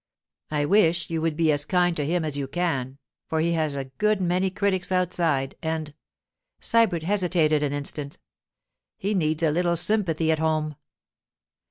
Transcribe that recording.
I wish you would be as kind to him as you can, for he has a good many critics outside, and—' Sybert hesitated an instant—'he needs a little sympathy at home.